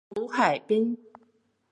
胡海滨。